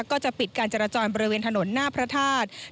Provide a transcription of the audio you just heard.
ก็จะปิดการจราจรบริเวณถนนหน้าพระธาตุ